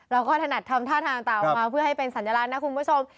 เราก็ถนัดทำท่าเรียนต่อมาเพื่อให้เป็นสัญลักษณ์นะครับคุณผู้ชม